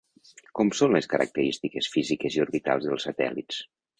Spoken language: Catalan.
Com són les característiques físiques i orbitals dels satèl·lits?